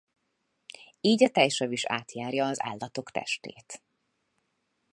Így a tejsav is átjárja az állatok testét.